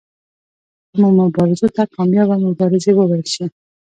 کومو مبارزو ته کامیابه مبارزې وویل شي.